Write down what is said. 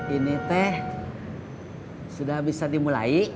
ini teh sudah bisa dimulai